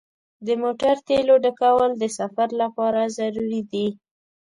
د موټر تیلو ډکول د سفر لپاره ضروري دي.